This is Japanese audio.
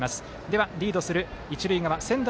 リードする一塁側仙台